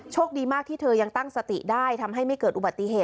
โชคดีมากที่เธอยังตั้งสติได้ทำให้ไม่เกิดอุบัติเหตุ